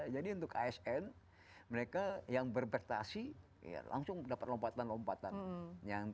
jadi untuk asn mereka yang bervertasi ya langsung dapat lompatan lompatan